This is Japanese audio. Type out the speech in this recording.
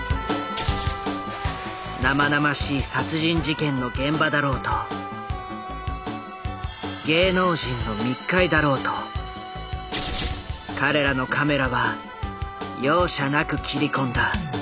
生々しい殺人事件の現場だろうと芸能人の密会だろうと彼らのカメラは容赦なく切り込んだ。